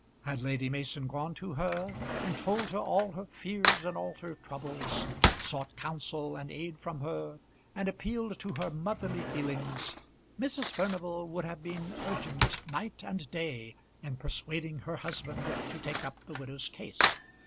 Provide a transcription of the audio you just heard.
Had Lady Mason gone to her and told her all her fears and all her troubles, sought counsel and aid from her, and appealed to her motherly feelings, Mrs. Furnival would have been urgent night and day in persuading her husband to take up the widow's case.